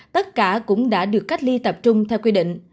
tất cả cũng đã được cách ly tập trung theo quy định